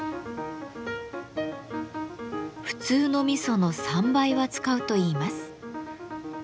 普通の味噌の３倍は使うといいます。